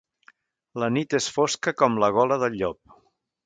La nit és fosca com la gola del llop.